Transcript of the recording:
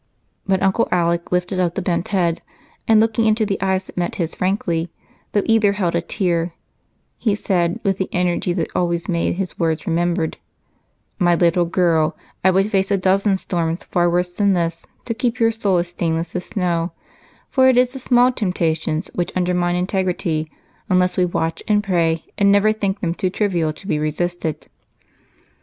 But Uncle Alec lifted up the bent head and, looking into the eyes that met his frankly, though either held a tear, he said, with the energy that always made his words remembered: "My little girl, I would face a dozen storms far worse than this to keep your soul as stainless as snow, for it is the small temptations which undermine integrity unless we watch and pray and never think them too trivial to be resisted."